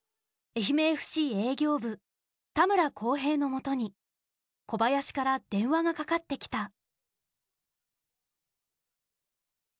愛媛ＦＣ営業部田村光平のもとに小林から電話がかかってきた。